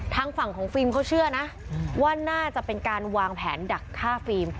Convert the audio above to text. ทางฝั่งของฟิล์มเขาเชื่อนะว่าน่าจะเป็นการวางแผนดักฆ่าฟิล์ม